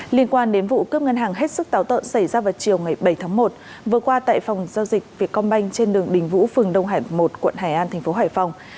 liên quan đến vụ cướp ngân hàng hết sức táo tợn xảy ra vào chiều ngày bảy tháng một vừa qua tại phòng giao dịch vietcombank trên đường đình vũ phường đông hải một quận hải an tp hải phòng